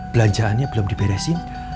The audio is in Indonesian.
belanjaannya belum diberesin